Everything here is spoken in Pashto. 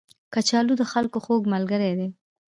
کچالو د خلکو خوږ ملګری دی